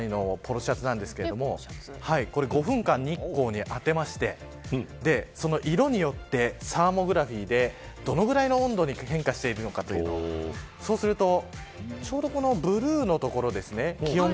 綿素材のポロシャツなんですが５分間、日光に当てまして色によってサーモグラフィーでどのぐらい温度が変化しているのかというそうするとちょうどブルーのところですね